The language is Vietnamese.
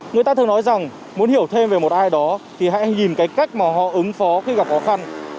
người ta thường nói rằng muốn hiểu thêm về một ai đó thì hãy nhìn cái cách mà họ ứng phó khi gặp khó khăn